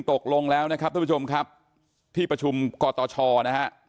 ตกลงแล้วนะครับท่านผู้ชมครับที่ประชุมกตชนะฮะ